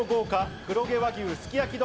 黒毛和牛すき焼き丼。